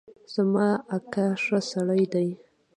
زما اکا ښه سړی دی